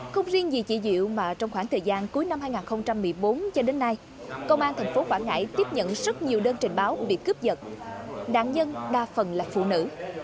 không riêng vì chị diệu mà trong khoảng thời gian cuối năm hai nghìn một mươi bốn cho đến nay công an thành phố quảng ngãi tiếp nhận rất nhiều đơn trình báo bị cướp giật đảng dân đa phần là phụ nữ